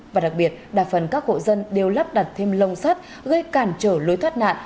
và đặc biệt đa phần các hộ dân đều lắp đặt thêm lông sắt gây cản trở lối thoát nạn